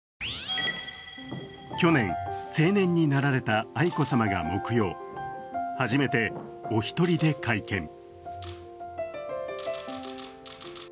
去年、成年になられた愛子さまが木曜、初めてお一人で会見。